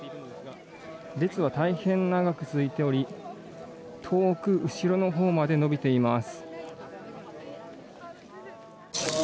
列は大変長く続いており遠く後ろのほうまで延びています。